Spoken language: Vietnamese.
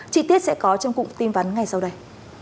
chi tiết sẽ có trong cụm tin vắn ngay sau đây